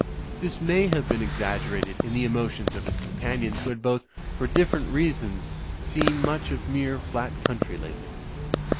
This may have been exaggerated in the emotions of his companions, who had both, for dif ferent reasons, seen much of mere flat country lately.